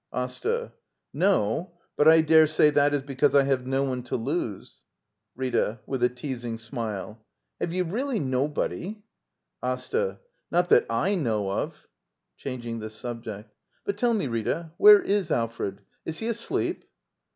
Asta. No. But I daresay that is because I have no one to lose. Rita. [With a teasing smile.] Have you really nobody —? Asta. Not that / know of. [Changing the sub ject.] But tell me, Rita, where is Alfred? Is he asleep?